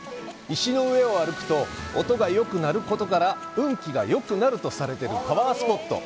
石の上を歩くと音が“よく鳴る”ことから、“運気がよくなる”とされるパワースポット。